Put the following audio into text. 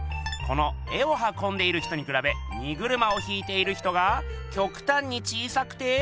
この絵をはこんでいる人にくらべ荷車を引いている人がきょくたんに小さくて。